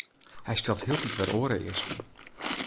Hy stelt hieltyd wer oare easken.